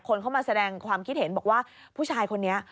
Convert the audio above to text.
คนเข้ามาแสดงความคิดเห็นบอกว่าผู้ชายคนนี้